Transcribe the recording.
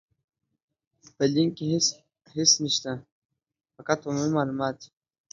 په لينک کې هيڅ نشته، فقط عمومي مالومات دي.